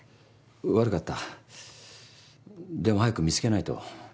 悪かったでも早く見つけないと。